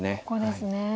ここですね。